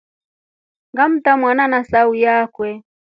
Ngamta mwana na sauyo akwe.